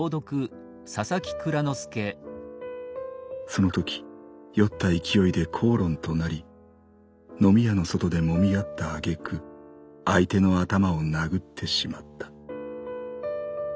そのとき酔った勢いで口論となり飲み屋の外で揉み合った挙句相手の頭を殴ってしまった。